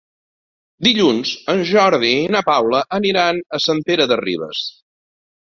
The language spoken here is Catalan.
Dilluns en Jordi i na Paula aniran a Sant Pere de Ribes.